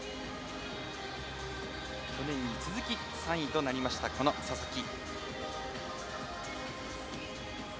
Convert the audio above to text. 去年に続き３位となりました、佐々木。